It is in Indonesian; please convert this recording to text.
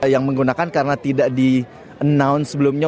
yang menggunakan karena tidak di announce sebelumnya